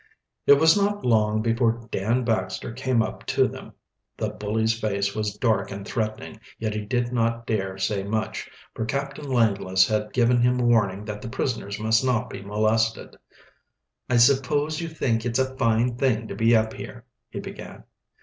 It was not long before Dan Baxter came up to them. The bully's face was dark and threatening, yet he did not dare say much, for Captain Langless had given him warning that the prisoners must not be molested. "I suppose you think it a fine thing to be up here," he began.